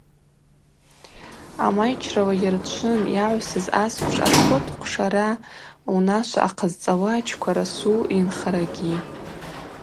Амайчрала йырчвын йагӏвсыз асквш аспорт хъвшара унашва ахъызцӏауа Чква Расул йынхарагьи.